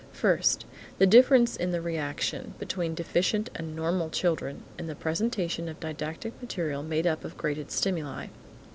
First. The difference in the reaction between deficient and normal children, in the presentation of didactic material made up of graded stimuli.